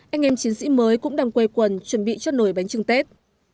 anh em chiến sĩ mới cũng đang quay quần chuẩn bị cho nổi bánh trưng tết